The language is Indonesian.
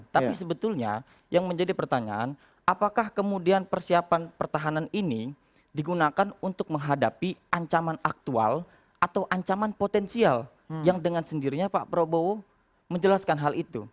tapi sebetulnya yang menjadi pertanyaan apakah kemudian persiapan pertahanan ini digunakan untuk menghadapi ancaman aktual atau ancaman potensial yang dengan sendirinya pak prabowo menjelaskan hal itu